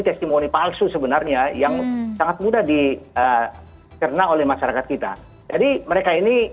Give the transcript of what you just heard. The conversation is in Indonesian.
testimoni palsu sebenarnya yang sangat mudah dicerna oleh masyarakat kita jadi mereka ini